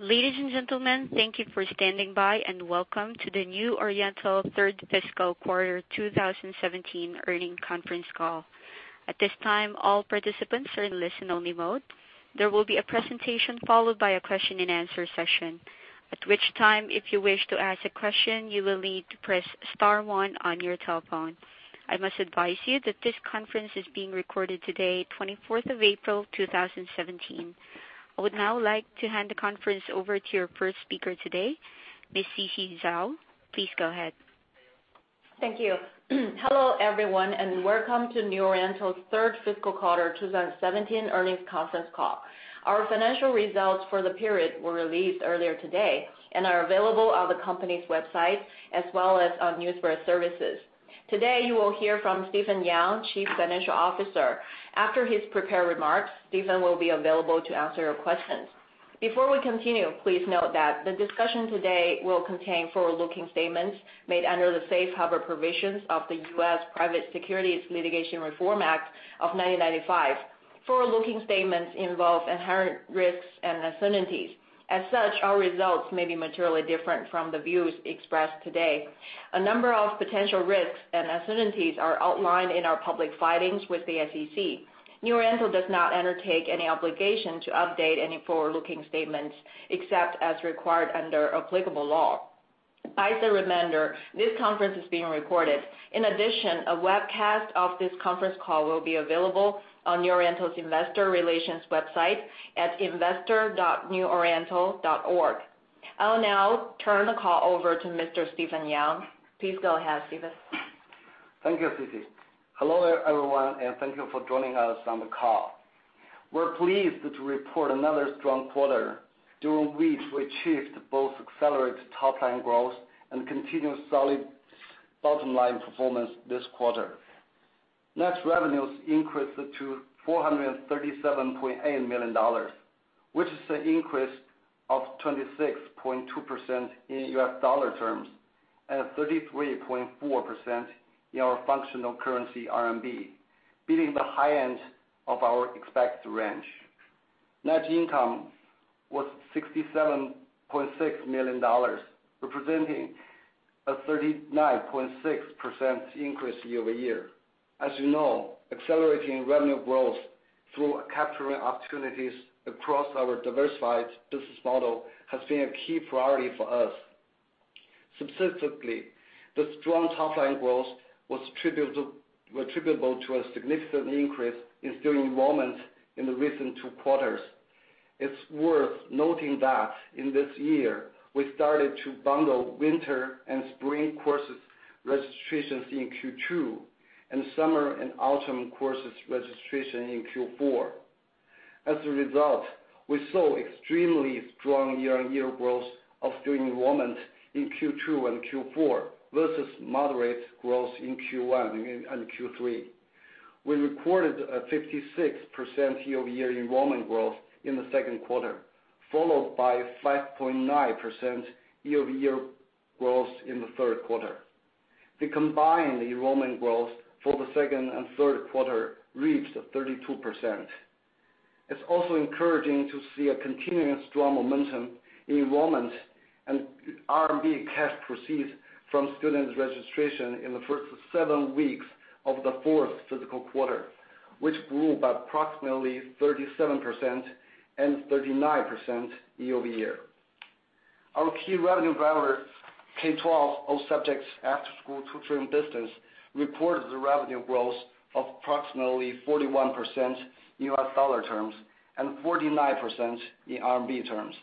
Ladies and gentlemen, thank you for standing by, and welcome to the New Oriental third fiscal quarter 2017 earnings conference call. At this time, all participants are in listen-only mode. There will be a presentation followed by a question-and-answer session. At which time, if you wish to ask a question, you will need to press star one on your telephone. I must advise you that this conference is being recorded today, 24th of April, 2017. I would now like to hand the conference over to your first speaker today, Ms. Sisi Zhao. Please go ahead. Thank you. Hello, everyone, and welcome to New Oriental's third fiscal quarter 2017 earnings conference call. Our financial results for the period were released earlier today and are available on the company's website, as well as on news wire services. Today, you will hear from Stephen Yang, Chief Financial Officer. After his prepared remarks, Stephen will be available to answer your questions. Before we continue, please note that the discussion today will contain forward-looking statements made under the Safe Harbor Provisions of the U.S. Private Securities Litigation Reform Act of 1995. Forward-looking statements involve inherent risks and uncertainties. As such, our results may be materially different from the views expressed today. A number of potential risks and uncertainties are outlined in our public filings with the SEC. New Oriental does not undertake any obligation to update any forward-looking statements, except as required under applicable law. As a reminder, this conference is being recorded. In addition, a webcast of this conference call will be available on New Oriental's investor relations website at investor.neworiental.org. I will now turn the call over to Mr. Stephen Yang. Please go ahead, Stephen. Thank you, Sisi. Hello, everyone, and thank you for joining us on the call. We're pleased to report another strong quarter, during which we achieved both accelerated top-line growth and continued solid bottom-line performance this quarter. Net revenues increased to $437.8 million, which is an increase of 26.2% in U.S. dollar terms and 33.4% in our functional currency, RMB, beating the high end of our expected range. Net income was $67.6 million, representing a 39.6% increase year-over-year. As you know, accelerating revenue growth through capturing opportunities across our diversified business model has been a key priority for us. Substantively, the strong top-line growth was attributable to a significant increase in student enrollment in the recent two quarters. It's worth noting that in this year, we started to bundle winter and spring courses registrations in Q2, and summer and autumn courses registration in Q4. As a result, we saw extremely strong year-on-year growth of student enrollment in Q2 and Q4 versus moderate growth in Q1 and Q3. We recorded a 56% year-over-year enrollment growth in the second quarter, followed by 5.9% year-over-year growth in the third quarter. The combined enrollment growth for the second and third quarter reached 32%. It is also encouraging to see a continuous strong momentum in enrollment and RMB cash proceeds from student registration in the first seven weeks of the fourth fiscal quarter, which grew by approximately 37% and 39% year-over-year. Our key revenue driver, K12 all subjects after-school tutoring business, reported revenue growth of approximately 41% in US dollar terms and 49% in RMB terms.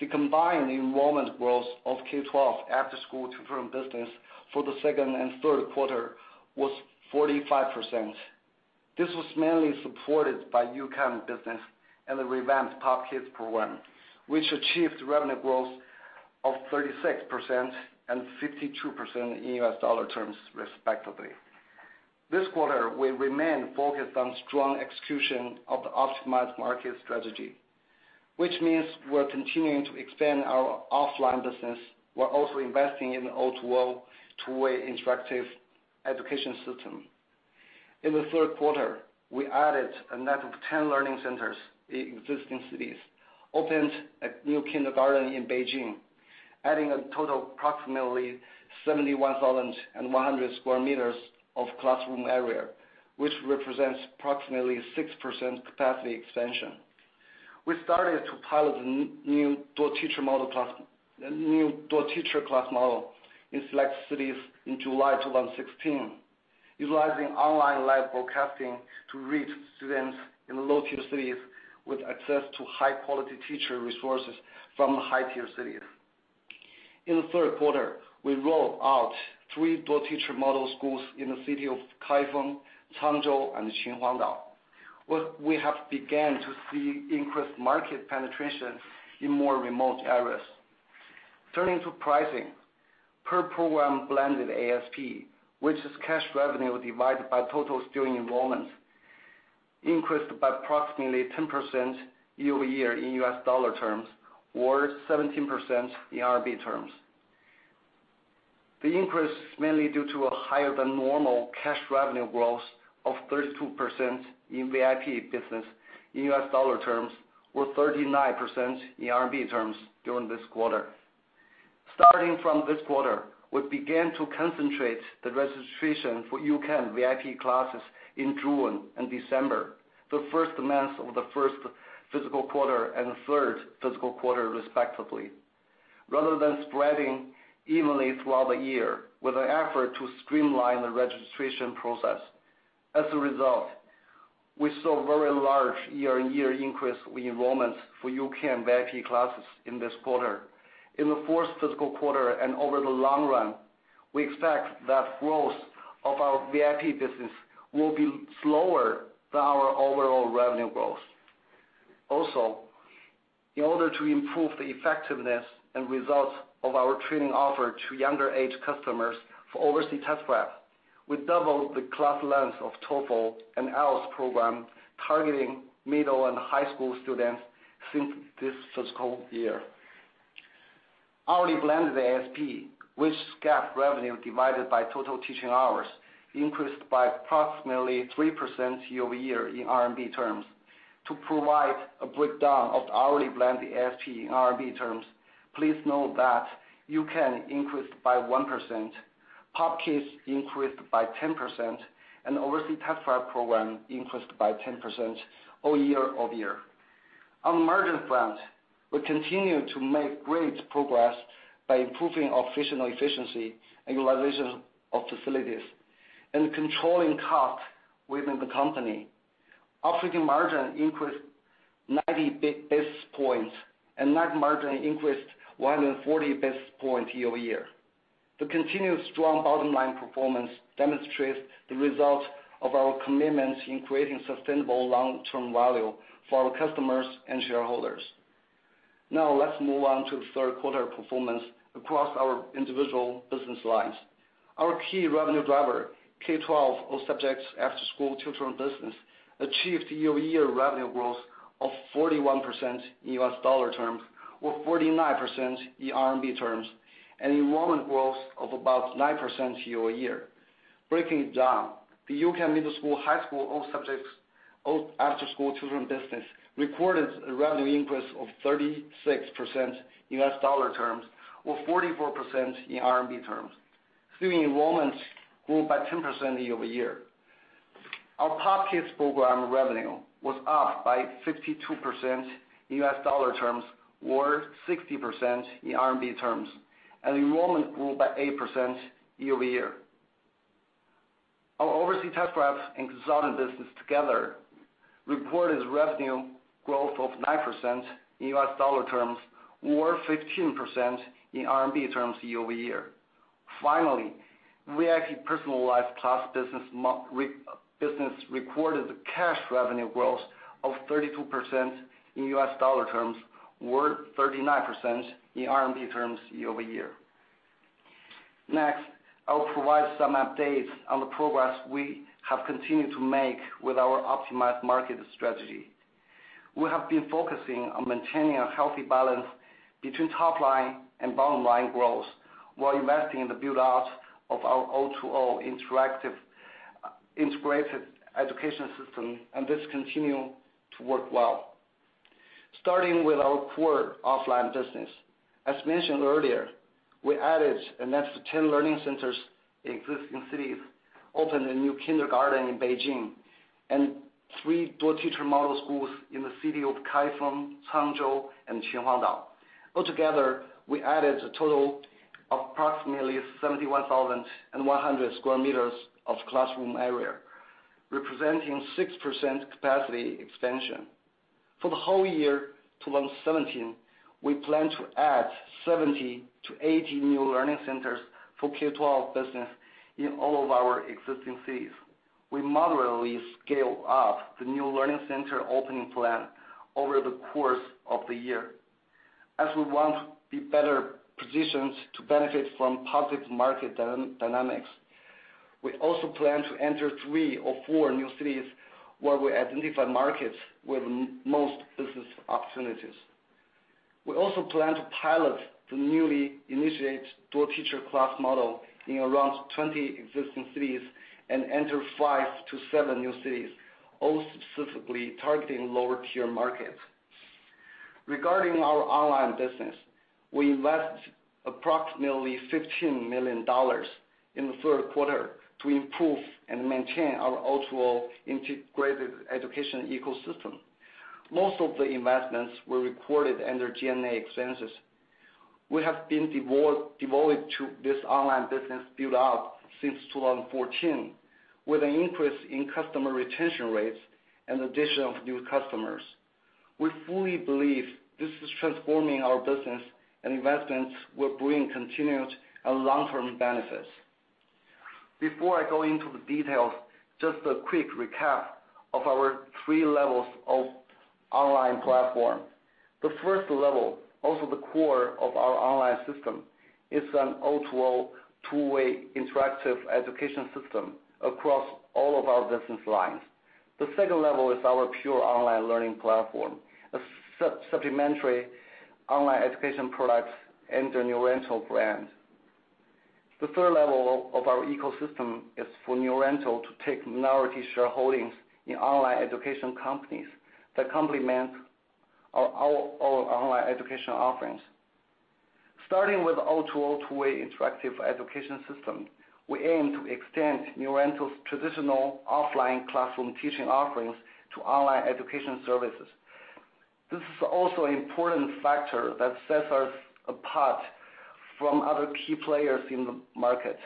The combined enrollment growth of K12 after-school tutoring business for the second and third quarter was 45%. This was mainly supported by U-Can business and the revamped Pop Kids program, which achieved revenue growth of 36% and 52% in US dollar terms respectively. This quarter, we remain focused on strong execution of the optimized market strategy, which means we are continuing to expand our offline business, while also investing in O2O two-way interactive education system. In the third quarter, we added a net of 10 learning centers in existing cities, opened a new kindergarten in Beijing, adding a total approximately 71,100 sq m of classroom area, which represents approximately 6% capacity expansion. We started to pilot the new Dual-Teacher class model in select cities in July 2016, utilizing online live broadcasting to reach students in the low-tier cities with access to high-quality teacher resources from high-tier cities. In the third quarter, we rolled out three Dual-Teacher model schools in the city of Kaifeng, Changzhou, and Qinhuangdao. We have began to see increased market penetration in more remote areas. Turning to pricing. Per program blended ASP, which is cash revenue divided by total student enrollment, increased by approximately 10% year-over-year in US dollar terms or 17% in RMB terms. The increase is mainly due to a higher than normal cash revenue growth of 32% in VIP business in US dollar terms, or 39% in RMB terms during this quarter. Starting from this quarter, we began to concentrate the registration for U-Can VIP classes in June and December, the first month of the first fiscal quarter and third fiscal quarter, respectively, rather than spreading evenly throughout the year, with an effort to streamline the registration process. As a result, we saw very large year-on-year increase in enrollments for U-Can VIP classes in this quarter. In the fourth fiscal quarter and over the long run, we expect that growth of our VIP business will be slower than our overall revenue growth. Also, in order to improve the effectiveness and results of our training offer to younger age customers for overseas Test Prep, we doubled the class length of TOEFL and IELTS program targeting middle and high school students since this fiscal year. Hourly blended ASP, which is cash revenue divided by total teaching hours, increased by approximately 3% year-over-year in RMB terms. To provide a breakdown of the hourly blended ASP in RMB terms, please note that U-Can increased by 1%, Pop Kids increased by 10%, and overseas Test Prep program increased by 10% year-over-year. On the margin front, we continue to make great progress by improving operational efficiency and utilization of facilities, and controlling costs within the company. Operating margin increased 90 basis points, net margin increased 140 basis points year-over-year. The continued strong bottom-line performance demonstrates the results of our commitment in creating sustainable long-term value for our customers and shareholders. Now, let's move on to the third quarter performance across our individual business lines. Our key revenue driver, K12 all subjects after-school tutoring business, achieved year-over-year revenue growth of 41% in US dollar terms, or 49% in RMB terms, and enrollment growth of about 9% year-over-year. Breaking it down, the U-Can middle school, high school all subjects after-school tutoring business recorded a revenue increase of 36% in US dollar terms, or 44% in RMB terms, seeing enrollments grow by 10% year-over-year. Our Pop Kids program revenue was up by 52% in US dollar terms, or 60% in RMB terms, and enrollment grew by 8% year-over-year. Our overseas Test Prep and consulting business together reported revenue growth of 9% in US dollar terms, or 15% in RMB terms year-over-year. Finally, VIP personalized class business recorded the cash revenue growth of 32% in US dollar terms, or 39% in RMB terms year-over-year. Next, I'll provide some updates on the progress we have continued to make with our optimized market strategy. We have been focusing on maintaining a healthy balance between top-line and bottom-line growth while investing in the build-out of our O2O integrated education system, this continue to work well. Starting with our core offline business. As mentioned earlier, we added a net of 10 learning centers in existing cities, opened a new kindergarten in Beijing, and three Dual-Teacher-model schools in the city of Kaifeng, Changzhou, and Qinhuangdao. All together, we added a total of approximately 71,100 sq m of classroom area, representing 6% capacity expansion. For the whole year 2017, we plan to add 70 to 80 new learning centers for K12 business in all of our existing cities. We moderately scale up the new learning center opening plan over the course of the year, as we want to be better positioned to benefit from positive market dynamics. We also plan to enter three or four new cities where we identify markets with most business opportunities. We also plan to pilot the newly initiated Dual-Teacher class model in around 20 existing cities and enter five to seven new cities, all specifically targeting lower-tier markets. Regarding our online business, we invest approximately $15 million in the third quarter to improve and maintain our O2O integrated education ecosystem. Most of the investments were recorded under G&A expenses. We have been devoted to this online business build-out since 2014, with an increase in customer retention rates and addition of new customers. We fully believe this is transforming our business, investments will bring continued and long-term benefits. Before I go into the details, just a quick recap of our 3 levels of online platform. The 1st level, also the core of our online system, is an O2O two-way interactive education system across all of our business lines. The 2nd level is our pure online learning platform, supplementary online education products under New Oriental brand. The 3rd level of our ecosystem is for New Oriental to take minority shareholdings in online education companies that complement our online education offerings. Starting with O2O two-way interactive education system, we aim to extend New Oriental's traditional offline classroom teaching offerings to online education services. This is also an important factor that sets us apart from other key players in the market.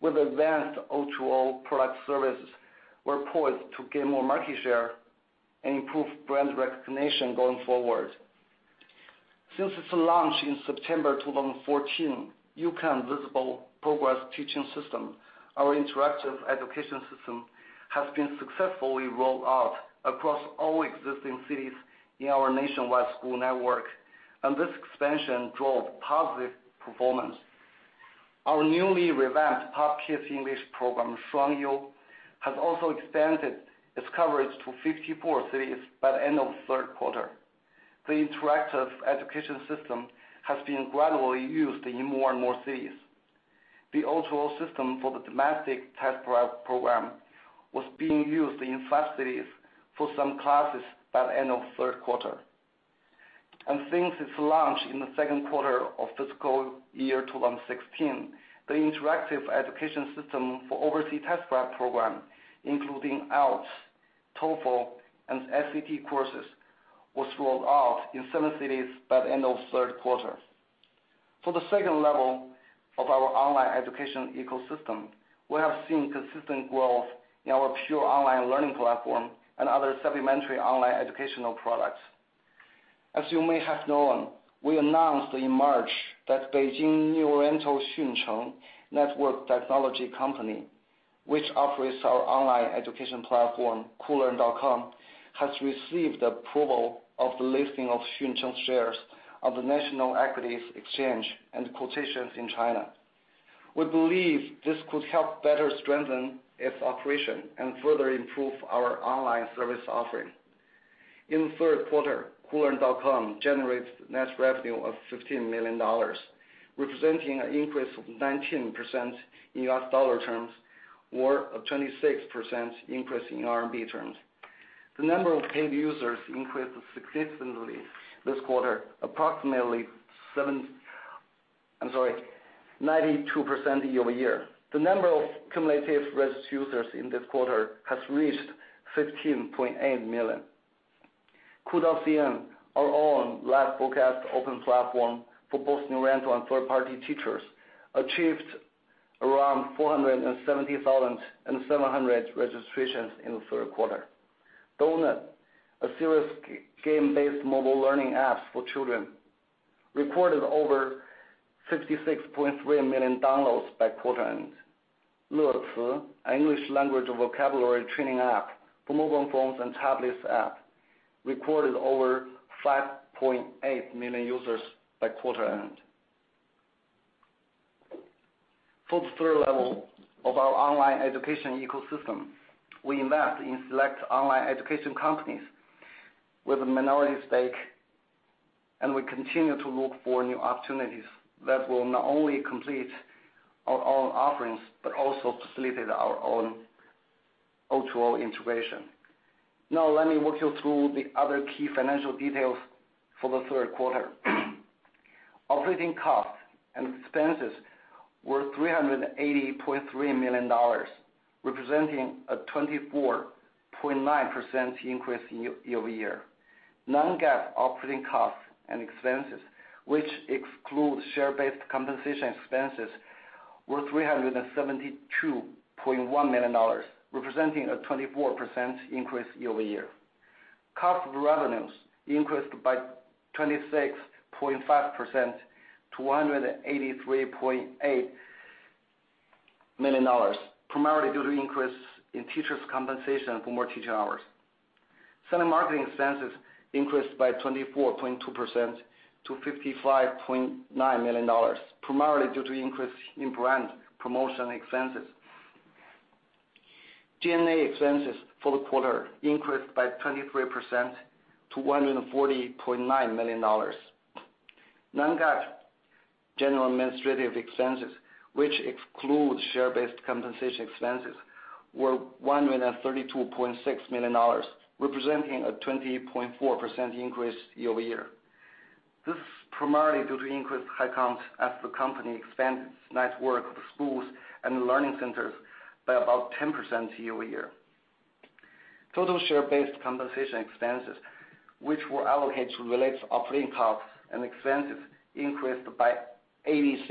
With advanced O2O product services, we're poised to gain more market share and improve brand recognition going forward. Since its launch in September 2014, U-Can Visible Progress Teaching System, our interactive education system, has been successfully rolled out across all existing cities in our nationwide school network, and this expansion drove positive performance. Our newly revamped Pop Kids English program, Shuangyou, has also expanded its coverage to 54 cities by the end of the third quarter. The interactive education system has been gradually used in more and more cities. The O2O system for the domestic test-prep program was being used in five cities for some classes by the end of the third quarter. Since its launch in the second quarter of fiscal year 2016, the interactive education system for overseas test-prep program, including IELTS, TOEFL, and SAT courses, was rolled out in seven cities by the end of the third quarter. For the 2 level of our online education ecosystem, we have seen consistent growth in our pure online learning platform and other supplementary online educational products. As you may have known, we announced in March that Beijing New Oriental Xuncheng Network Technology Company, which operates our online education platform, koolearn.com, has received approval of the listing of Xuncheng shares on the National Equities Exchange and Quotations in China. We believe this could help better strengthen its operation and further improve our online service offering. In the third quarter, koolearn.com generated net revenue of $15 million, representing an increase of 19% in US dollar terms or a 26% increase in RMB terms. The number of paid users increased significantly this quarter, approximately 92% year-over-year. The number of cumulative registered users in this quarter has reached 15.8 million. koo.cn, our own live broadcast open platform for both New Oriental and third-party teachers, achieved around 470,700 registrations in the third quarter. DONUT, a series of game-based mobile learning apps for children, recorded over 56.3 million downloads by quarter end. Leci, an English language vocabulary training app for mobile phones and tablets app, recorded over 5.8 million users by quarter end. For the 3 level of our online education ecosystem, we invest in select online education companies with a minority stake, and we continue to look for new opportunities that will not only complete our own offerings, but also facilitate our own O2O integration. Let me walk you through the other key financial details for the third quarter. Operating costs and expenses were $380.3 million, representing a 24.9% increase year-over-year. Non-GAAP operating costs and expenses, which excludes share-based compensation expenses, were $372.1 million, representing a 24% increase year-over-year. Cost of revenues increased by 26.5% to $183.8 million, primarily due to increase in teachers compensation for more teacher hours. Selling marketing expenses increased by 24.2% to $55.9 million, primarily due to increase in brand promotion expenses. G&A expenses for the quarter increased by 23% to $140.9 million. Non-GAAP G&A expenses, which excludes share-based compensation expenses, were $132.6 million, representing a 20.4% increase year-over-year. This is primarily due to increased headcounts as the company expanded its network of schools and learning centers by about 10% year-over-year. Total share-based compensation expenses, which were allocated to related operating costs and expenses, increased by 86%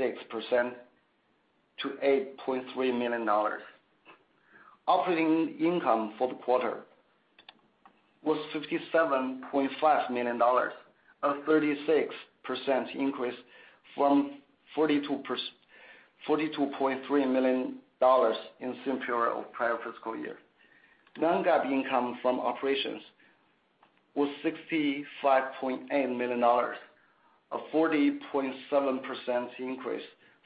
to $8.3 million. Operating income for the quarter was $57.5 million, a 36% increase from $42.3 million in same quarter of prior fiscal year. Non-GAAP income from operations was $65.8 million, a 40.7% increase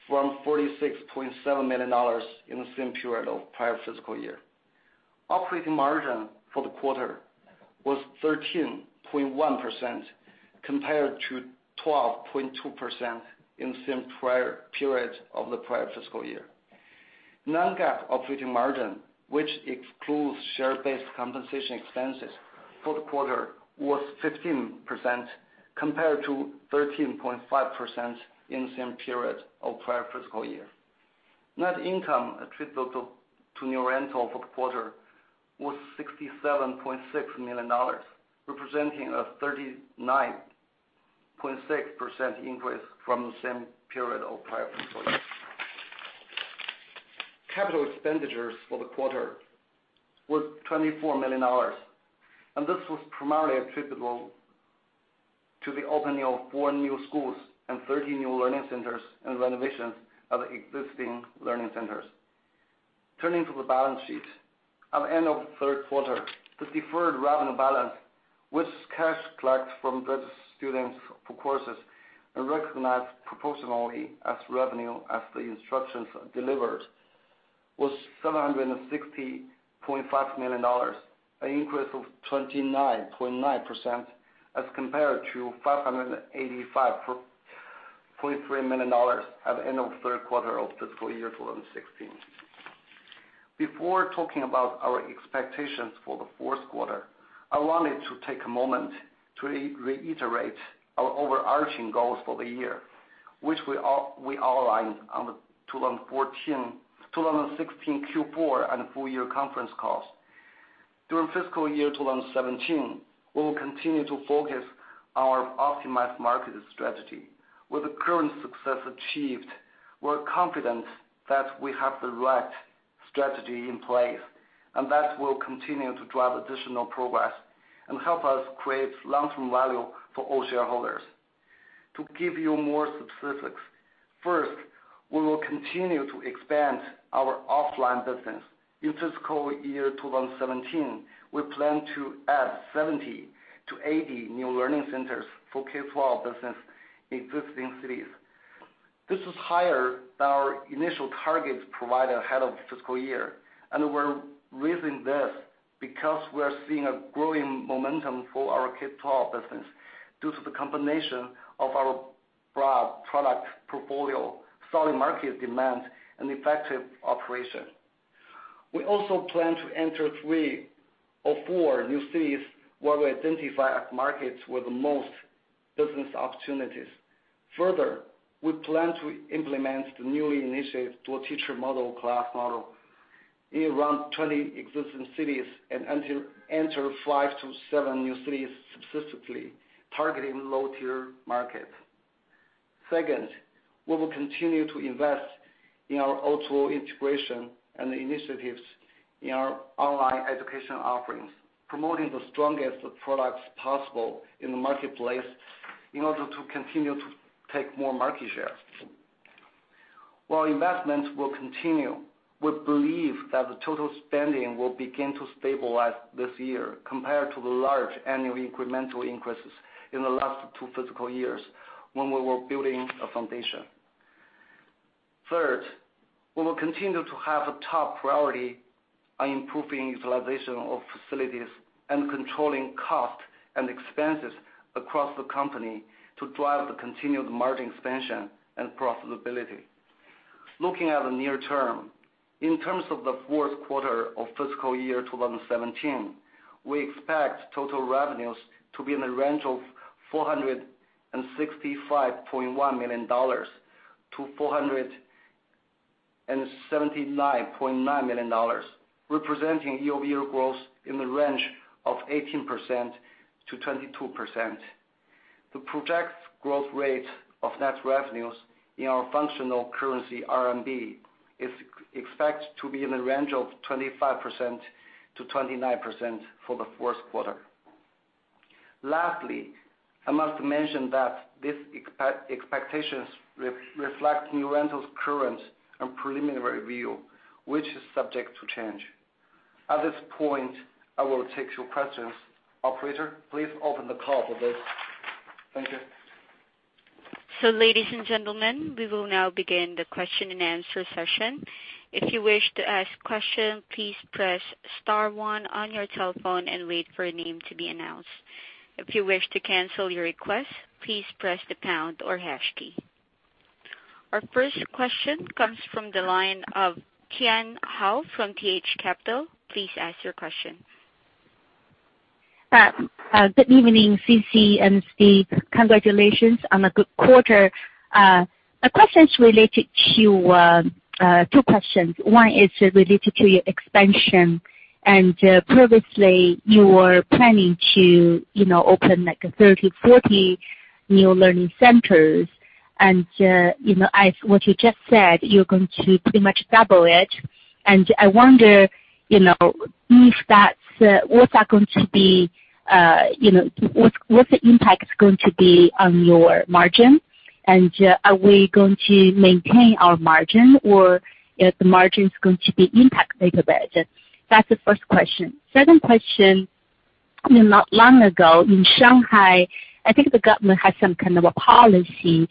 from $46.7 million in the same period of prior fiscal year. Operating margin for the quarter was 13.1%, compared to 12.2% in the same prior period of the prior fiscal year. Non-GAAP operating margin, which excludes share-based compensation expenses for the quarter, was 15%, compared to 13.5% in the same period of prior fiscal year. Net income attributable to New Oriental for the quarter was $67.6 million, representing a 39.6% increase from the same period of prior fiscal year. Capital expenditures for the quarter was $24 million, and this was primarily attributable to the opening of 4 new schools and 30 new learning centers and renovations of existing learning centers. Turning to the balance sheet. At the end of third quarter, the deferred revenue balance, which is cash collected from registered students for courses and recognized proportionally as revenue as the instruction's delivered, was $760.5 million, an increase of 29.9% as compared to $585.3 million at the end of third quarter of fiscal year 2016. Before talking about our expectations for the fourth quarter, I wanted to take a moment to reiterate our overarching goals for the year, which we outlined on the 2016 Q4 and full-year conference calls. During fiscal year 2017, we will continue to focus our optimized market strategy. With the current success achieved, we're confident that we have the right strategy in place, that will continue to drive additional progress and help us create long-term value for all shareholders. To give you more specifics, first, we will continue to expand our offline business. In fiscal year 2017, we plan to add 70-80 new learning centers for K12 business in existing cities. This is higher than our initial targets provided ahead of fiscal year, we're raising this because we are seeing a growing momentum for our K12 business due to the combination of our broad product portfolio, solid market demand, and effective operation. We also plan to enter 3 or 4 new cities where we identify as markets with the most business opportunities. Further, we plan to implement the newly initiated Dual-Teacher model, class model in around 20 existing cities and enter 5-7 new cities successively, targeting low-tier markets. Second, we will continue to invest in our O2O integration and initiatives in our online education offerings, promoting the strongest products possible in the marketplace in order to continue to take more market share. While investments will continue, we believe that the total spending will begin to stabilize this year compared to the large annual incremental increases in the last two fiscal years when we were building a foundation. Third, we will continue to have a top priority on improving utilization of facilities and controlling cost and expenses across the company to drive the continued margin expansion and profitability. Looking at the near term, in terms of the fourth quarter of fiscal year 2017, we expect total revenues to be in the range of $465.1 million-$479.9 million, representing year-over-year growth in the range of 18%-22%. The projected growth rate of net revenues in our functional currency, RMB, is expected to be in the range of 25%-29% for the fourth quarter. Lastly, I must mention that these expectations reflect New Oriental's current and preliminary view, which is subject to change. At this point, I will take your questions. Operator, please open the call for this. Thank you. Ladies and gentlemen, we will now begin the question-and-answer session. If you wish to ask a question, please press *1 on your telephone and wait for your name to be announced. If you wish to cancel your request, please press the pound or hash key. Our first question comes from the line of Tian Hou from TH Capital. Please ask your question. Good evening, Sisi and Steve. Congratulations on a good quarter. Two questions. One is related to your expansion. Previously, you were planning to open 30, 40 new learning centers and as what you just said, you're going to pretty much double it. I wonder what the impact is going to be on your margin? Are we going to maintain our margin or the margin is going to be impacted a bit? That's the first question. Second question, not long ago, in Shanghai, I think the government had some kind of a policy,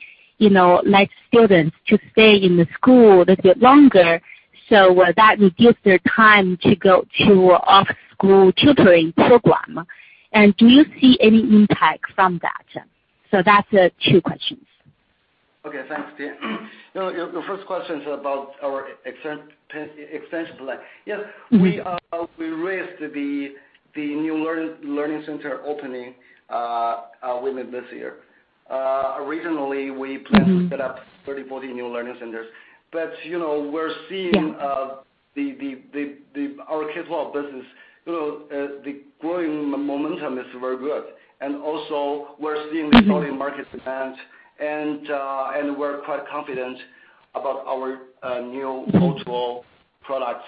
like students to stay in the school a little bit longer, so that reduce their time to go to off-school tutoring program. Do you see any impact from that? That's the two questions. Thanks, Tian. Your first question's about our expansion plan. Yes, we raised the new learning center opening within this year. Originally, we planned to set up 30, 40 new learning centers. We're seeing our K12 business, the growing momentum is very good. Also, we're seeing strong market demand, and we're quite confident about our new cultural product,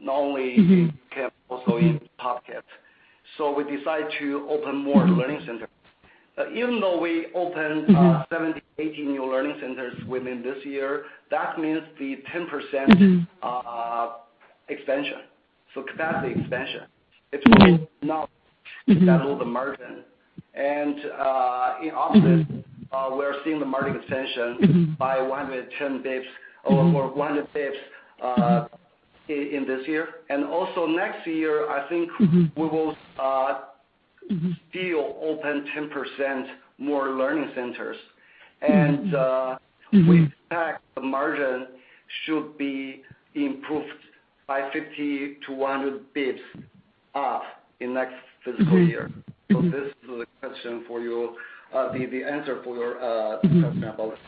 not only in camp, also in public. We decide to open more learning centers. Even though we opened 70, 80 new learning centers within this year, that means the 10% expansion. Capacity expansion. It will not settle the margin. In office, we're seeing the margin expansion by 110 basis points or 100 basis points in this year. Also next year, I think we will still open 10% more learning centers. We expect the margin should be improved by 50 to 100 basis points up in next fiscal year. this is the answer for your question about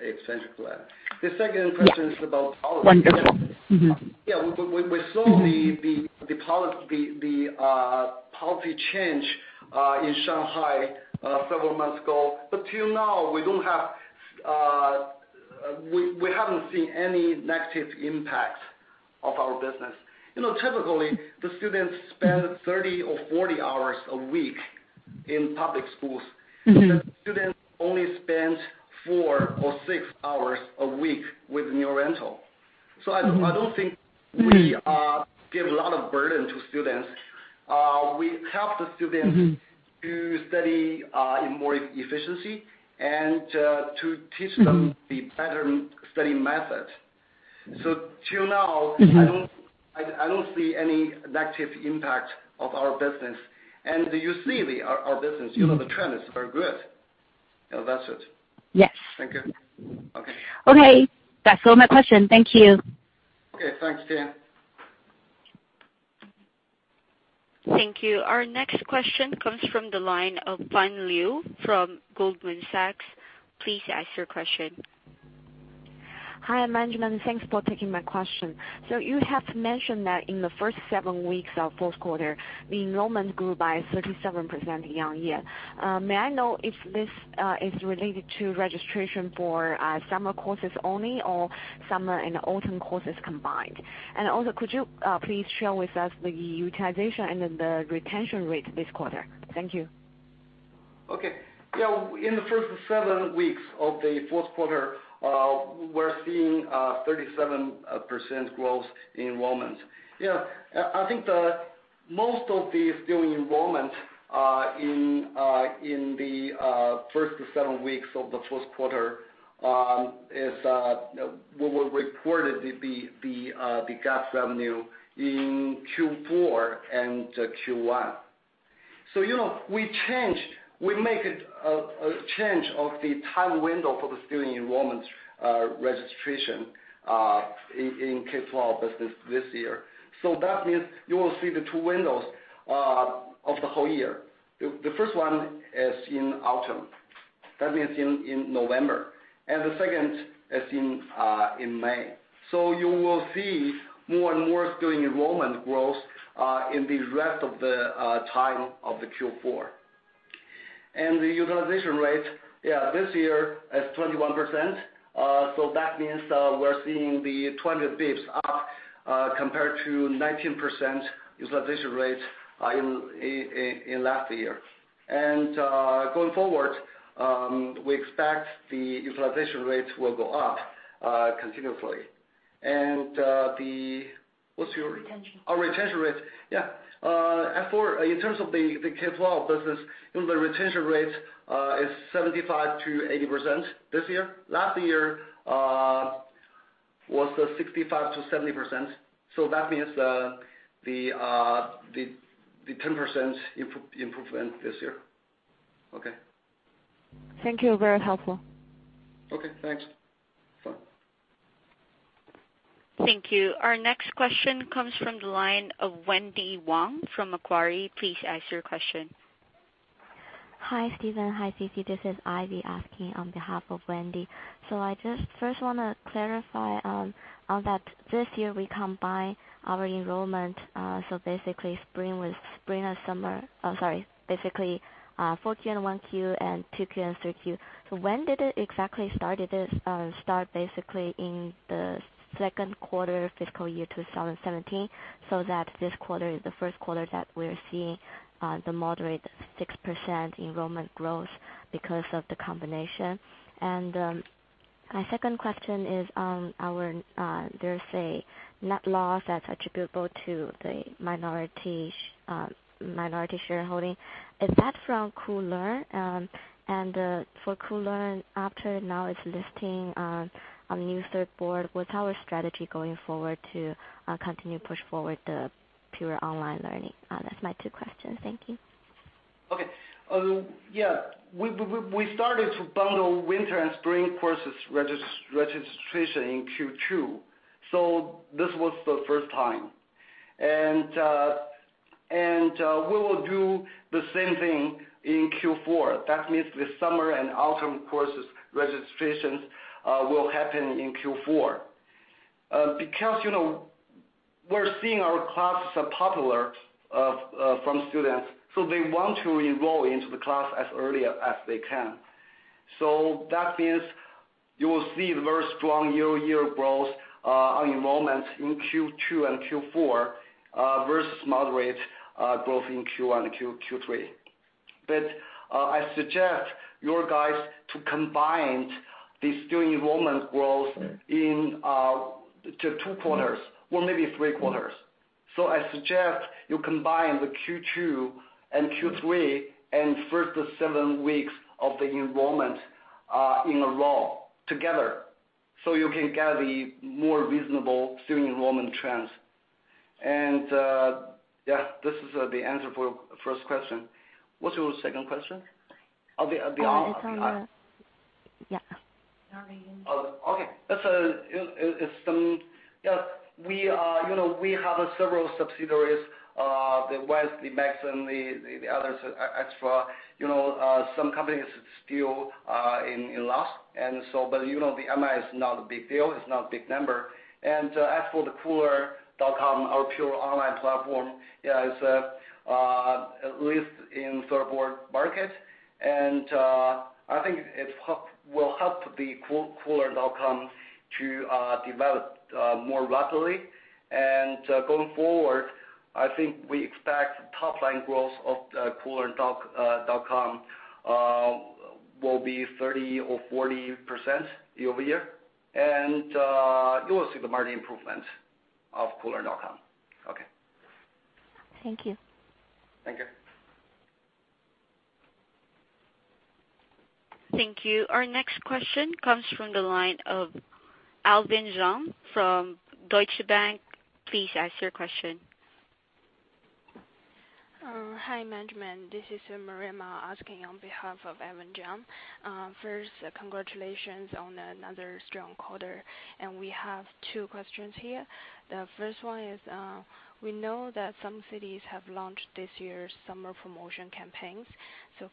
expansion plan. The second question is about policy. Policy. We saw the policy change in Shanghai several months ago. Till now, we haven't seen any negative impacts of our business. Typically, the students spend 30 or 40 hours a week in public schools. The students only spend four or six hours a week with New Oriental. I don't think we give a lot of burden to students. We help the students to study in more efficiency and to teach them the better study method. I don't see any negative impact of our business. You see our business, the trend is very good. That's it. Yes. Thank you. Okay. Okay. That's all my question. Thank you. Okay, thanks, Tian. Thank you. Our next question comes from the line of Fan Liu from Goldman Sachs. Please ask your question. Hi, management. Thanks for taking my question. You have mentioned that in the first seven weeks of fourth quarter, the enrollment grew by 37% year-on-year. May I know if this is related to registration for summer courses only or summer and autumn courses combined? Also, could you please share with us the utilization and the retention rate this quarter? Thank you. Okay. In the first seven weeks of the fourth quarter, we're seeing a 37% growth in enrollments. I think the most of the student enrollment in the first seven weeks of the first quarter will be reported the GAAP revenue in Q4 and Q1. We make a change of the time window for the student enrollment registration in K12 business this year. That means you will see the two windows of the whole year. The first one is in autumn, that means in November, and the second is in May. You will see more and more student enrollment growth in the rest of the time of the Q4. The utilization rate, this year is 21%, that means we're seeing the 200 basis points up compared to 19% utilization rate in last year. Going forward, we expect the utilization rate will go up continuously. The What's your- Retention. Oh, retention rate. Yeah. In terms of the K12 business, the retention rate is 75%-80% this year. Last year, was 65%-70%, so that means the 10% improvement this year. Okay. Thank you. Very helpful. Okay, thanks. Bye. Thank you. Our next question comes from the line of Wendy Wang from Macquarie. Please ask your question. Hi, Stephen. Hi, Sisi. This is Ivy asking on behalf of Wendy. I just first want to clarify on that this year we combine our enrollment, basically 4Q and 1Q and 2Q and 3Q. When did it exactly start? Did it start basically in the second quarter fiscal year 2017, so that this quarter is the first quarter that we're seeing the moderate 6% enrollment growth because of the combination? My second question is on our, there's a net loss that's attributable to the minority shareholding. Is that from Koolearn? For Koolearn, after now it's listing on the New Third Board, what's our strategy going forward to continue push forward the pure online learning? That's my two questions. Thank you. Okay. We started to bundle winter and spring courses registration in Q2, this was the first time. We will do the same thing in Q4. That means the summer and autumn courses registrations will happen in Q4. We're seeing our classes are popular from students, so they want to enroll into the class as early as they can. That means you will see very strong year-over-year growth on enrollments in Q2 and Q4 versus moderate growth in Q1 and Q3. I suggest you guys to combine the student enrollment growth into two quarters, or maybe three quarters. I suggest you combine the Q2 and Q3 and first seven weeks of the enrollment in a row together, so you can get the more reasonable student enrollment trends. This is the answer for your first question. What's your second question? It's on the. Non-gaap. Okay. We have several subsidiaries, the West, the Max, and the others, et cetera. Some companies are still in loss, but the MI is not a big deal. It's not a big number. As for the Koolearn.com, our pure online platform, it's at least in third board market, and I think it will help the Koolearn.com to develop more rapidly. Going forward, I think we expect top line growth of Koolearn.com will be 30% or 40% year-over-year, and you will see the margin improvement of Koolearn.com. Okay. Thank you. Thank you. Thank you. Our next question comes from the line of Alvin Zhang from Deutsche Bank. Please ask your question. Hi, management. This is Maria Mao asking on behalf of Alvin Zhang. First, congratulations on another strong quarter, and we have two questions here. The first one is, we know that some cities have launched this year's summer promotion campaigns.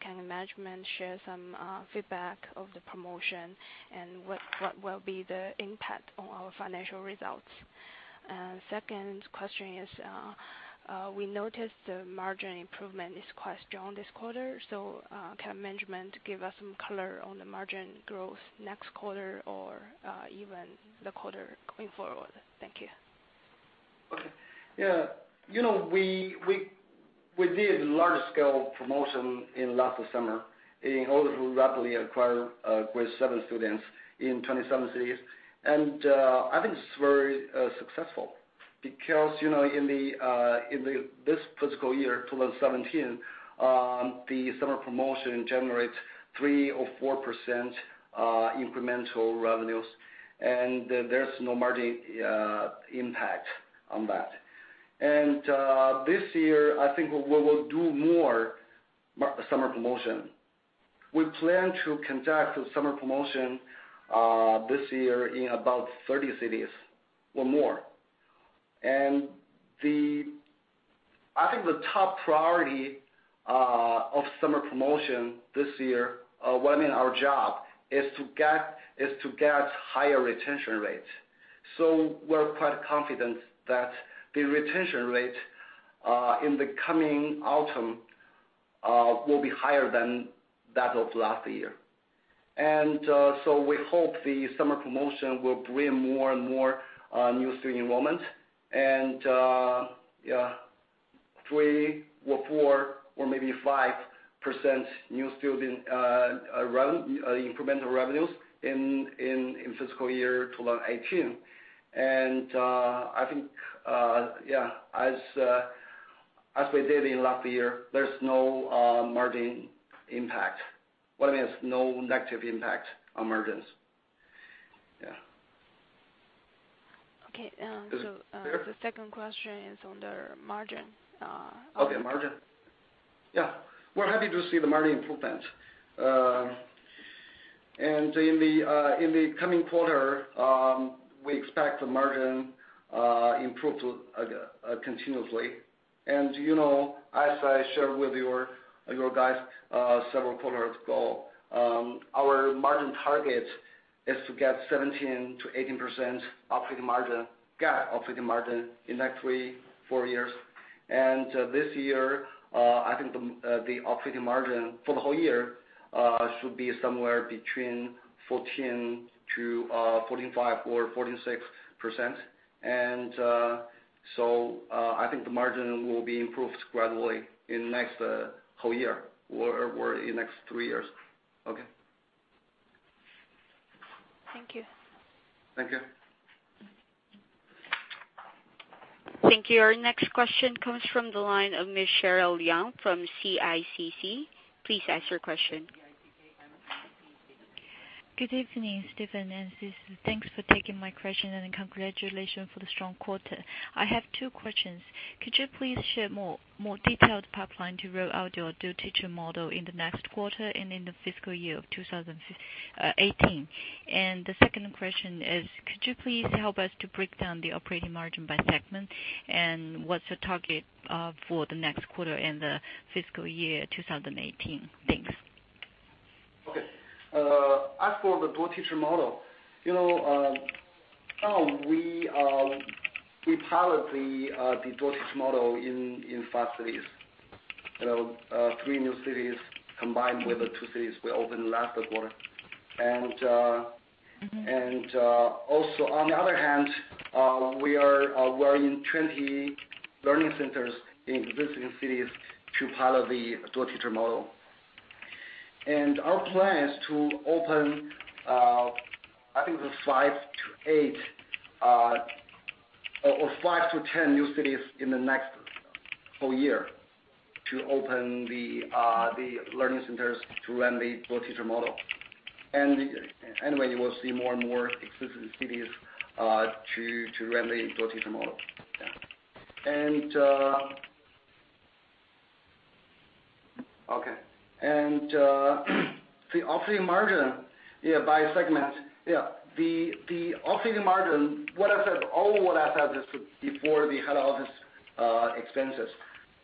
Can management share some feedback of the promotion and what will be the impact on our financial results? Second question is, we noticed the margin improvement is quite strong this quarter, so can management give us some color on the margin growth next quarter or even the quarter going forward? Thank you. Okay. We did large scale promotion in last summer in order to rapidly acquire Grade 7 students in 27 cities. I think it's very successful because, in this fiscal year 2017, the summer promotion generates 3% or 4% incremental revenues, and there's no margin impact on that. This year, I think we will do more summer promotion. We plan to conduct the summer promotion this year in about 30 cities or more. I think the top priority of summer promotion this year, what I mean, our job, is to get higher retention rates. We're quite confident that the retention rate in the coming autumn will be higher than that of last year. We hope the summer promotion will bring more and more new student enrollment and yeah, 3% or 4% or maybe 5% new student incremental revenues in fiscal year 2018. I think, yeah, as we did in last year, there's no margin impact. What I mean is no negative impact on margins. Okay. Is it clear? The second question is on the margin. Okay, margin. Yeah. We're happy to see the margin improvement. In the coming quarter, we expect the margin improve continuously. As I shared with you guys several quarters ago, our margin target is to get 17%-18% operating margin, GAAP operating margin in next three, four years. This year, I think the operating margin for the whole year should be somewhere between 14%-14.5% or 14.6%. So I think the margin will be improved gradually in next whole year or in next three years. Okay. Thank you. Thank you. Thank you. Our next question comes from the line of Ms. Cheryl Liang from CICC. Please ask your question. Good evening, Stephen and Sisi. Thanks for taking my question, and congratulations for the strong quarter. I have two questions. Could you please share more detailed pipeline to roll out your Dual-Teacher model in the next quarter and in the fiscal year 2018? The second question is, could you please help us to break down the operating margin by segment? What's the target for the next quarter and the fiscal year 2018? Thanks. Okay. As for the Dual-Teacher model, now we pilot the Dual-Teacher model in five cities. Three new cities combined with the two cities we opened last quarter. Also on the other hand, we are in 20 learning centers in existing cities to pilot the Dual-Teacher model. Our plan is to open, I think, five to 10 new cities in the next whole year to open the learning centers to run the Dual-Teacher model. Anyway, you will see more and more existing cities to run the Dual-Teacher model. The operating margin by segment. The operating margin, all what I said is before the head office expenses.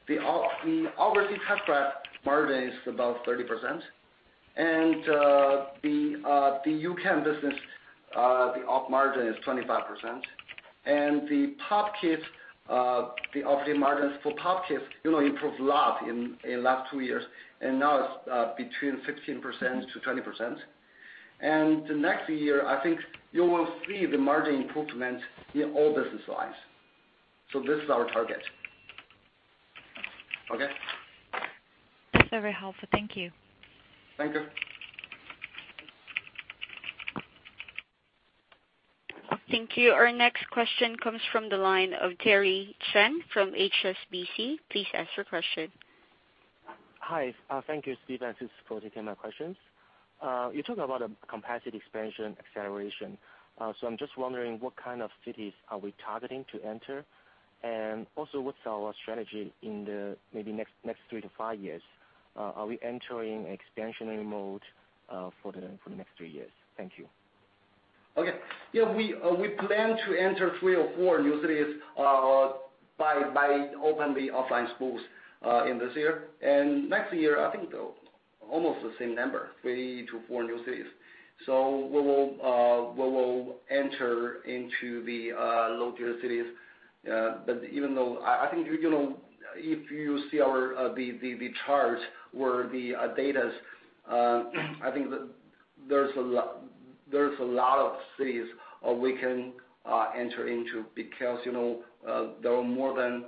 The overseas Test-Prep margin is about 30%, and the U-Can business, the op margin is 25%. The operating margins for Pop Kids improved a lot in last two years, and now it's between 15%-20%. The next year, I think you will see the margin improvement in all business lines. This is our target. Okay? Very helpful. Thank you. Thank you. Thank you. Our next question comes from the line of Terry Cheng from HSBC. Please ask your question. Hi. Thank you, Stephen and Sisi, for taking my questions. You talked about a capacity expansion acceleration. I'm just wondering what kind of cities are we targeting to enter. What's our strategy in the maybe next three to five years? Are we entering expansionary mode for the next three years? Thank you. Okay. Yeah, we plan to enter three or four new cities by opening offline schools in this year. Next year, I think almost the same number, three to four new cities. We will enter into the low-tier cities. I think if you see the chart or the data, I think that there's a lot of cities we can enter into because there are more than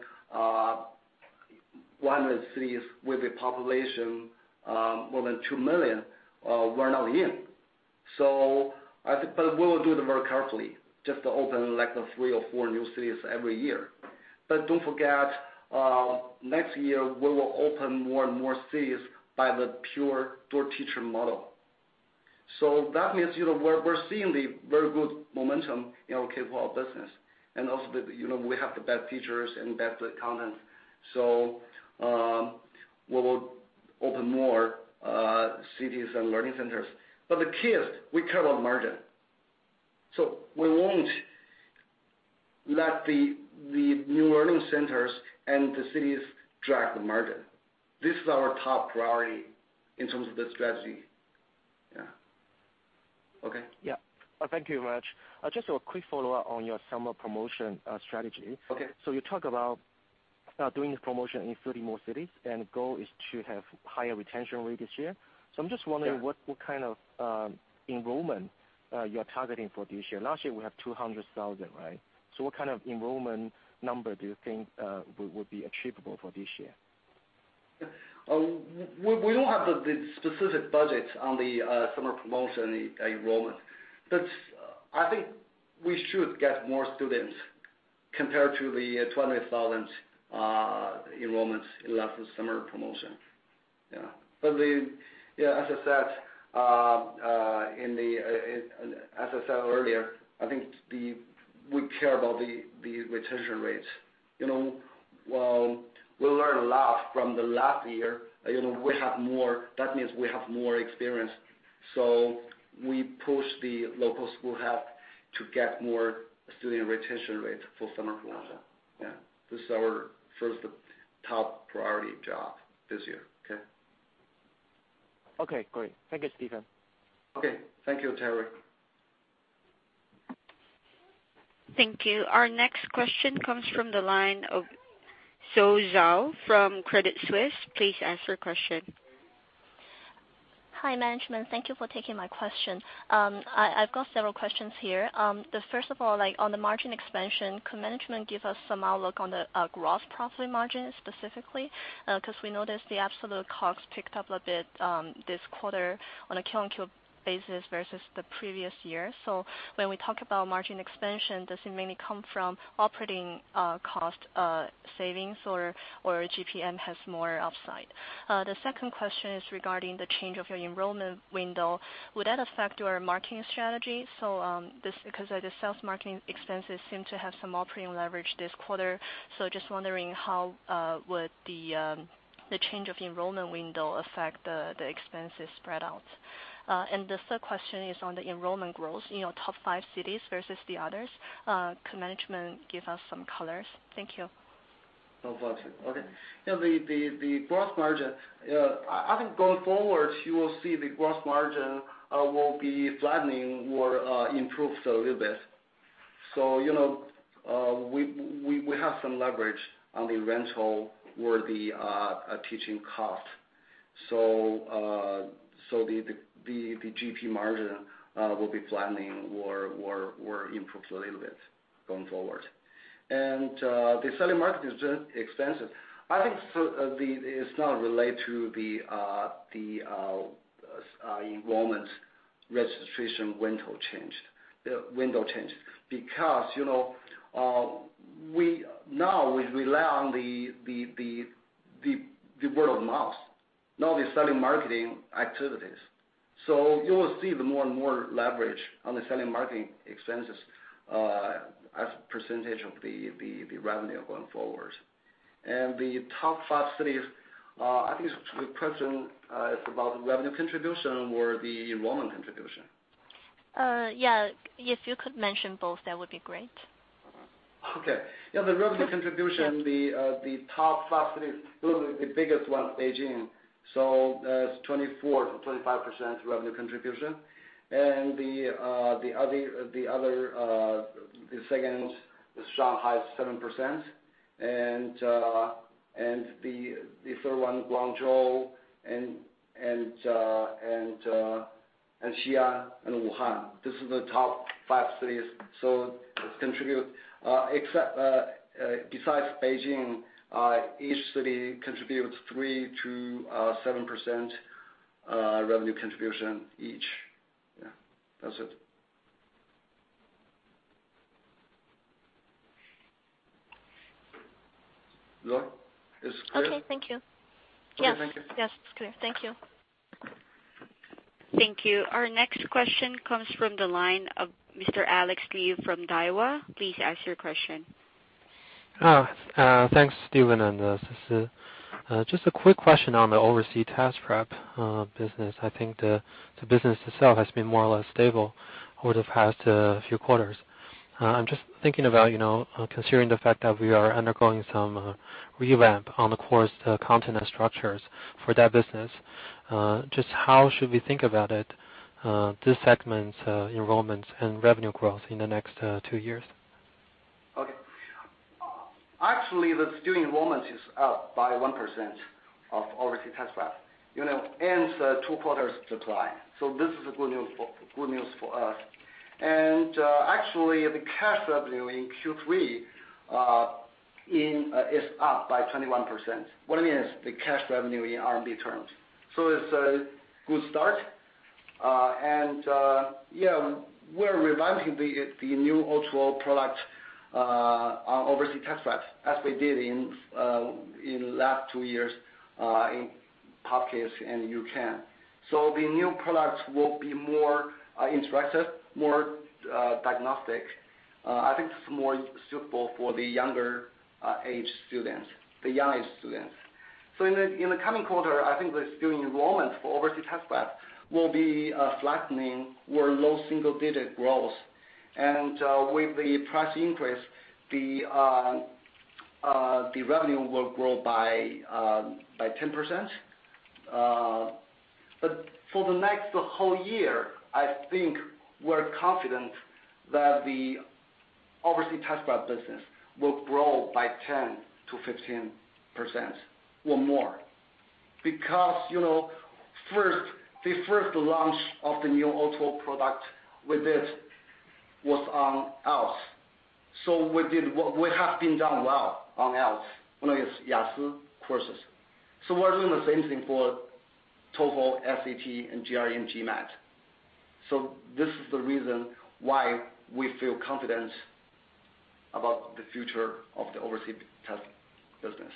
100 cities with a population more than 2 million we're not in. We will do it very carefully, just to open like three or four new cities every year. Don't forget, next year we will open more and more cities by the pure Dual-Teacher model. That means we're seeing the very good momentum in our K12 business. We have the best teachers and best content. We will open more cities and learning centers. The key is we care about margin. We won't let the new learning centers and the cities drag the margin. This is our top priority in terms of the strategy. Yeah. Okay? Yeah. Thank you very much. Just a quick follow-up on your summer promotion strategy. Okay. You talk about doing this promotion in 30 more cities, and the goal is to have higher retention rate this year. I am just wondering. Yeah What kind of enrollment are you targeting for this year? Last year, we have 200,000, right? What kind of enrollment number do you think would be achievable for this year? We don't have the specific budget on the summer promotion enrollment. I think we should get more students compared to the 200,000 enrollments in last summer promotion. Yeah. As I said earlier, I think we care about the retention rates. We learned a lot from the last year. That means we have more experience, so we push the local school head to get more student retention rate for summer promotion. Yeah. This is our first top priority job this year. Okay? Okay, great. Thank you, Stephen. Okay. Thank you, Terry. Thank you. Our next question comes from the line of Charles Zhou from Credit Suisse. Please ask your question. Hi, management. Thank you for taking my question. I've got several questions here. First of all, on the margin expansion, could management give us some outlook on the gross profit margin specifically? Because we noticed the absolute costs picked up a bit this quarter on a Q-on-Q basis versus the previous year. When we talk about margin expansion, does it mainly come from operating cost savings or GPM has more upside? The second question is regarding the change of your enrollment window. Would that affect your marketing strategy? Because the sales marketing expenses seem to have some operating leverage this quarter, just wondering how would the change of the enrollment window affect the expenses spread out. The third question is on the enrollment growth in your top five cities versus the others. Could management give us some colors? Thank you. No problem. Okay. The gross margin, I think going forward, you will see the gross margin will be flattening or improve a little bit. We have some leverage on the rental or the teaching cost. The GP margin will be flattening or improve a little bit going forward. The selling marketing expenses, I think it's not related to the enrollment registration window change, because now we rely on the word of mouth, not the selling marketing activities. You will see the more and more leverage on the selling marketing expenses as a percentage of the revenue going forward. The top five cities, I think the question is about revenue contribution or the enrollment contribution? Yeah. If you could mention both, that would be great. Okay. Yeah, the revenue contribution, the top five cities, the biggest one is Beijing. That's 24%-25% revenue contribution. The other, the second is Shanghai, 7%. The third one, Guangzhou and Xi'an, and Wuhan. This is the top five cities. Besides Beijing, each city contributes 3%-7% revenue contribution each. Yeah. That's it. Is that clear? Okay. Thank you. Yeah. Thank you. Yes, it's clear. Thank you. Thank you. Our next question comes from the line of Mr. Alex Liu from Daiwa. Please ask your question. Thanks, Stephen and Sisi. A quick question on the overseas test prep business. I think the business itself has been more or less stable over the past few quarters. Considering the fact that we are undergoing some revamp on the course content and structures for that business, how should we think about it, this segment's enrollments and revenue growth in the next 2 years? Actually, the student enrollment is up by 1% of overseas test prep and 2 quarters decline. This is good news for us. Actually, the cash revenue in Q3 is up by 21%. What I mean is the cash revenue in RMB terms. It's a good start. We're revamping the new O2O product on overseas test prep as we did in last 2 years in Pop Kids and U-Can. The new products will be more interactive, more diagnostic. I think it's more suitable for the younger age students. In the coming quarter, I think the student enrollment for overseas test prep will be flattening or low single-digit growth. With the price increase, the revenue will grow by 10%. For the next whole year, I think we're confident that the overseas test prep business will grow by 10%-15% or more. The first launch of the new O2O product we did was on IELTS. We have been doing well on IELTS, Yasi courses. We're doing the same thing for TOEFL, SAT, GRE and GMAT. This is the reason why we feel confident about the future of the overseas test business.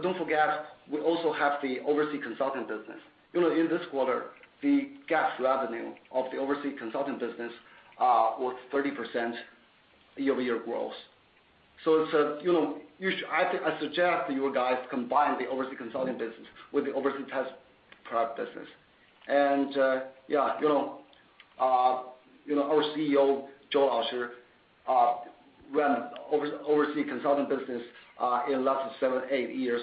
Don't forget, we also have the overseas consulting business. In this quarter, the GAAP revenue of the overseas consulting business was 30% year-over-year growth. I suggest that you guys combine the overseas consulting business with the overseas test prep business. Our CEO, Chenggang Zhou, ran overseas consulting business in last 7, 8 years.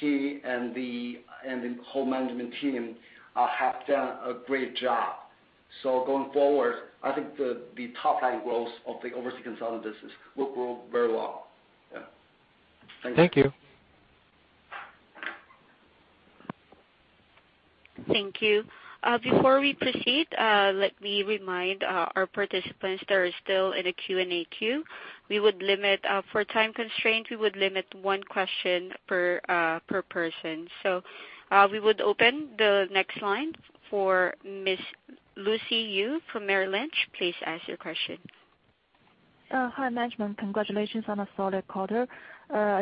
He and the whole management team have done a great job. Going forward, I think the top-line growth of the overseas consulting business will grow very well. Thank you. Thank you. Before we proceed, let me remind our participants that are still in the Q&A queue. For time constraint, we would limit one question per person. We would open the next line for Ms. Lucy Yu from Merrill Lynch. Please ask your question. Hi, management. Congratulations on a solid quarter.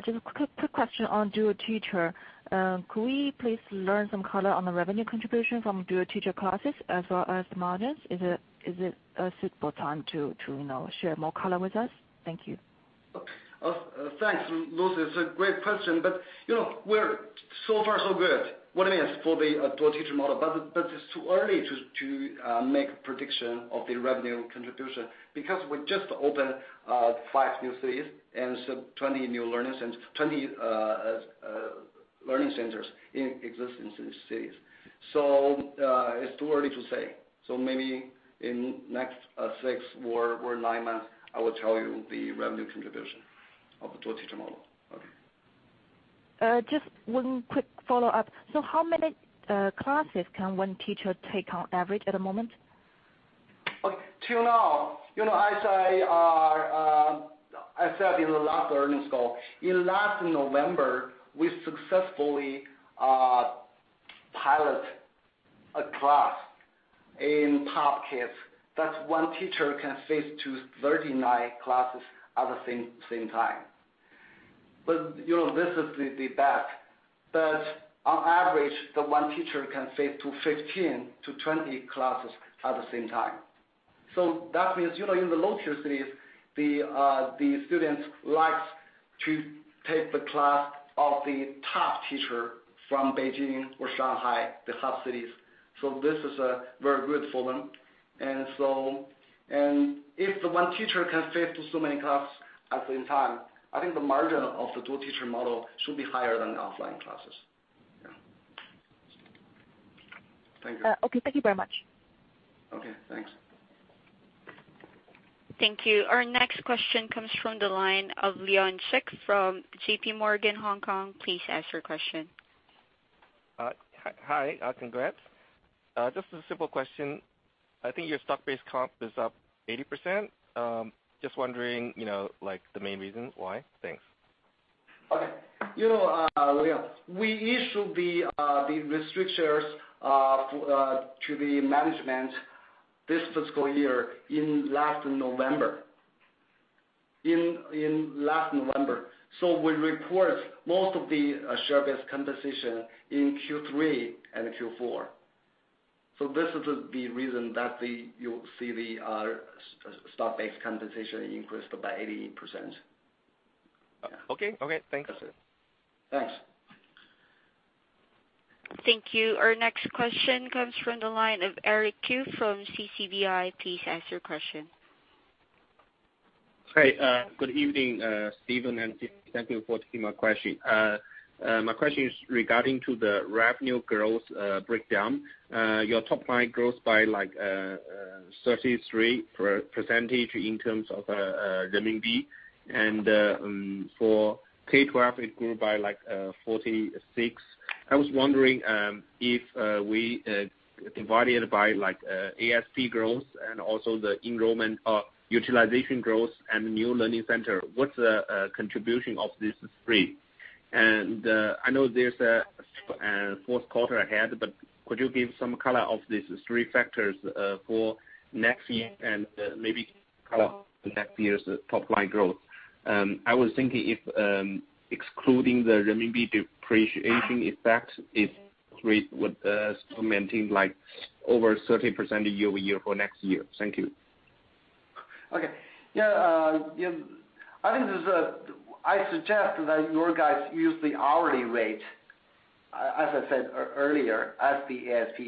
Just a quick question on Dual-Teacher. Could we please learn some color on the revenue contribution from Dual-Teacher classes as well as margins? Is it a suitable time to share more color with us? Thank you. Thanks, Lucy. So far so good. What I mean is for the Dual-Teacher model, it's too early to make a prediction of the revenue contribution because we just opened five new cities and 20 new learning centers in existing cities. It's too early to say. Maybe in the next six or nine months, I will tell you the revenue contribution of the Dual-Teacher model. Okay. Just one quick follow-up. How many classes can one teacher take on average at the moment? Okay. Till now, as I said in the last earnings call, in last November, we successfully pilot a class in Pop Kids. That one teacher can face to 39 classes at the same time. This is the back, on average, the one teacher can face to 15-20 classes at the same time. That means, in the lower tier cities, the students like to take the class of the top teacher from Beijing or Shanghai, the top cities. This is very good for them. If the one teacher can face so many classes at the same time, I think the margin of the Dual-Teacher model should be higher than offline classes. Yeah. Thank you. Okay, thank you very much. Okay, thanks. Thank you. Our next question comes from the line of Leon Chik from JP Morgan, Hong Kong. Please ask your question. Hi, congrats. Just a simple question. I think your stock-based comp is up 80%. Just wondering the main reason why. Thanks. Okay. Leon, we issued the restrictions to the management this fiscal year in last November. We report most of the share-based compensation in Q3 and Q4. This is the reason that you see the stock-based compensation increased by 80%. Yeah. Okay. Thanks. Thanks. Thank you. Our next question comes from the line of Eric Xu from CCBI. Please ask your question. Hey, good evening, Stephen, thank you for taking my question. My question is regarding to the revenue growth breakdown. Your top line grows by 33% in terms of RMB, for K12, it grew by 46%. I was wondering if we divided by ASP growth and also the enrollment utilization growth and new learning center, what's the contribution of these three? I know there's a fourth quarter ahead, could you give some color of these three factors for next year and maybe color of next year's top-line growth? I was thinking if excluding the RMB depreciation effect, if three would still maintain over 30% year-over-year for next year. Thank you. Okay. Yeah. I suggest that you guys use the hourly rate, as I said earlier, as the ASP.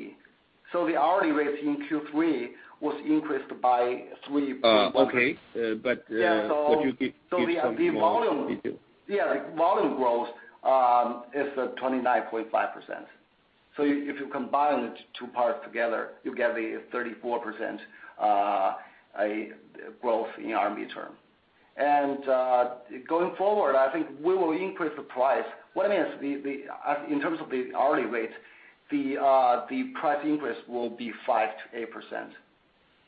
The hourly rate in Q3 was increased by 3.1%. Okay, could you give some more detail? Yeah, volume growth is 29.5%. If you combine the two parts together, you get the 34% growth in RMB term. Going forward, I think we will increase the price. What I mean is in terms of the hourly rate, the price increase will be 5%-8%.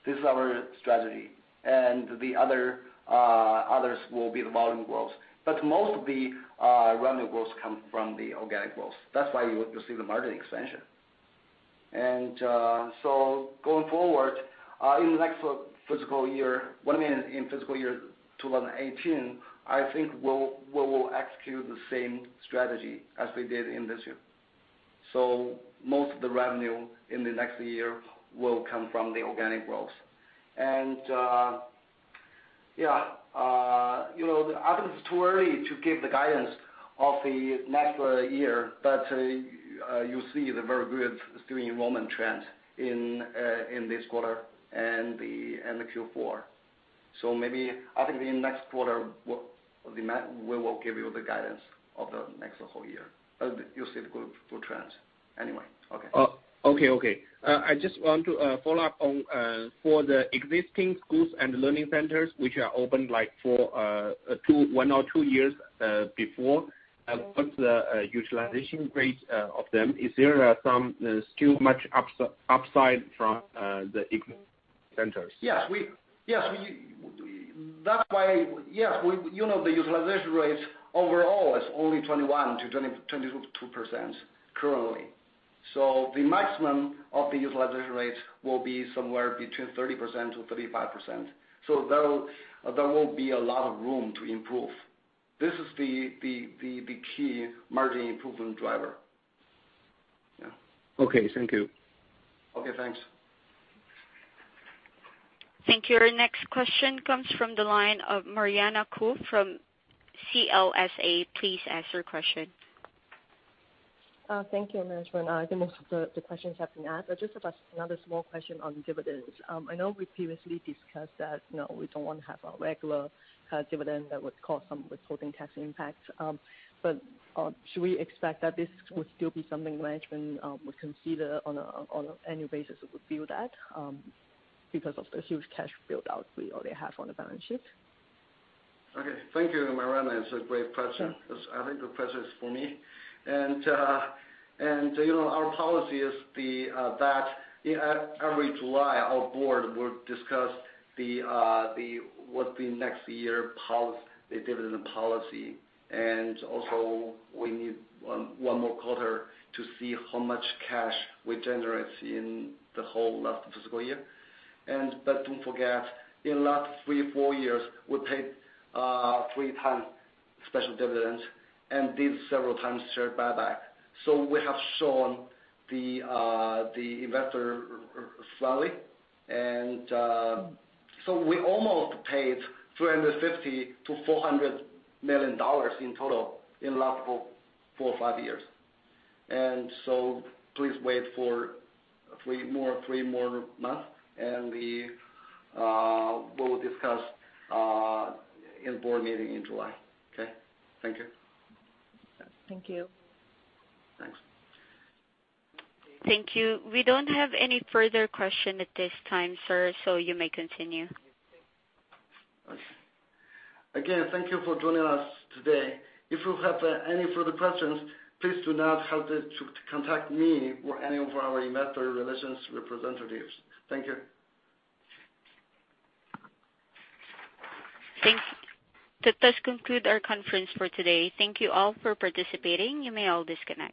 This is our strategy, and the others will be the volume growth. Most of the revenue growth come from the organic growth. That's why you see the margin expansion. Going forward in fiscal year 2018, I think we will execute the same strategy as we did in this year. Most of the revenue in the next year will come from the organic growth. Yeah, I think it's too early to give the guidance of the next year, but you see the very good student enrollment trend in this quarter and the Q4. Maybe, I think in next quarter, we will give you the guidance of the next whole year. You'll see the good trends anyway. Okay. Oh, okay. I just want to follow up on, for the existing schools and learning centers, which are opened like one or two years before, what's the utilization rate of them? Is there still much upside from the existing centers? Yes. You know, the utilization rate overall is only 21%-22% currently. The maximum of the utilization rate will be somewhere between 30%-35%. There will be a lot of room to improve. This is the key margin improvement driver. Yeah. Okay. Thank you. Okay, thanks. Thank you. Our next question comes from the line of Mariana Kou from CLSA. Please ask your question. Thank you, management. Just about another small question on dividends. I know we previously discussed that we don't want to have a regular dividend that would cause some withholding tax impact. Should we expect that this would still be something management would consider on an annual basis, would view that because of the huge cash build-out we already have on the balance sheet? Okay. Thank you, Mariana. It's a great question. I think the question is for me. Our policy is that every July, our board will discuss what the next year dividend policy. Also we need one more quarter to see how much cash we generate in the whole last fiscal year. Don't forget, in last three, four years, we paid three times special dividends and did several times share buyback. We have shown the investor slowly. We almost paid $350 million-$400 million in total in the last four, five years. Please wait for three more months, and we will discuss in board meeting in July. Okay? Thank you. Thank you. Thanks. Thank you. We don't have any further question at this time, sir, you may continue. Okay. Again, thank you for joining us today. If you have any further questions, please do not hesitate to contact me or any of our investor relations representatives. Thank you. That does conclude our conference for today. Thank you all for participating. You may all disconnect.